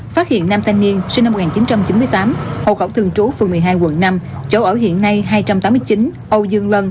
phát hiện nam thanh niên sinh năm một nghìn chín trăm chín mươi tám hộ khẩu thường trú phường một mươi hai quận năm chỗ ở hiện nay hai trăm tám mươi chín âu dương lân